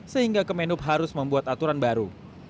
sehingga kemenhub harus membuat aturan baru